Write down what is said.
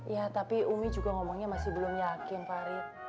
ya tapi umi juga ngomongnya masih belum yakin farid